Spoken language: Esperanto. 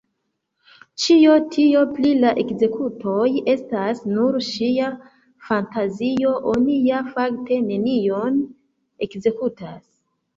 Ĉio tio pri la ekzekutoj estas nur ŝia fantazio; oni ja fakte neniun ekzekutas!